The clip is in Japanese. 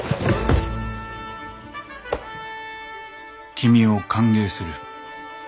君を歓迎する。